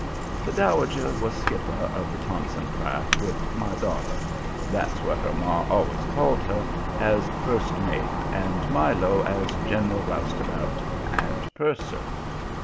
The Dowager was skipper of the Thompson craft, with "My daughter" that's what her ma always called her as first mate, and Milo as general roustabout and purser.